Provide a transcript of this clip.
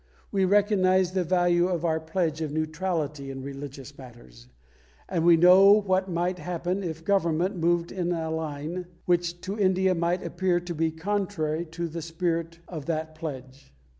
We recognise the value of our pledge of neutrality in religious matters, and we know what might happen if Government moved in a line which to India might appear to be contrary to the spirit of that pledge.